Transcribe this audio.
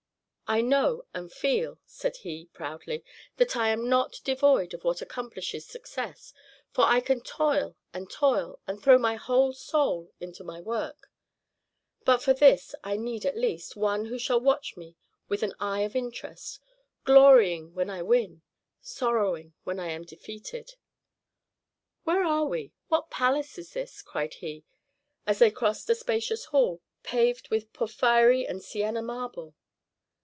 I know and feel," said he, proudly, "that I am not devoid of what accomplishes success, for I can toil and toil, and throw my whole soul into my work; but for this I need, at least, one who shall watch me with an eye of interest, glorying when I win, sorrowing when I am defeated. Where are we? What palace is this?" cried he, as they crossed a spacious hall paved with porphyry and Sienna marble.